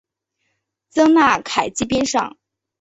普纳凯基边上。